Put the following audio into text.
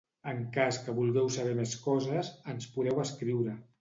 En cas que vulgueu saber més coses, ens podeu escriure.